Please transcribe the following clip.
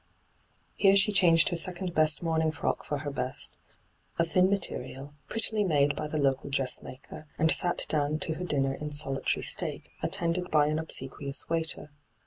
Here she changed her second best mourning frock for her best, a thin material, prettily made by the local dressmaker, and sat down io her dinner in solitary state, attended by an obsequious waiter.